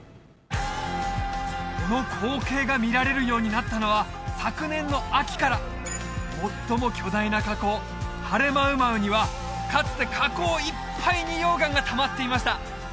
この光景が見られるようになったのは昨年の秋から最も巨大な火口ハレマウマウにはかつて火口いっぱいに溶岩がたまっていました